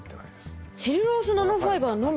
セルロースナノファイバーのみ。